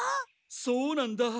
そうなんだ。